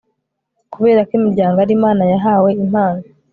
kuberako imiryango ari imana yahawe impano